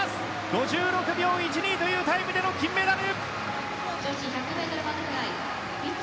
５６秒１２というタイムでの金メダル！